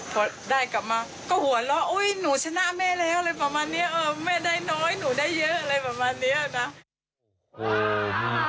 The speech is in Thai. พอได้กลับมาก็หัวเราะอุ๊ยหนูชนะแม่แล้วอะไรประมาณนี้แม่ได้น้อยหนูได้เยอะอะไรประมาณนี้นะ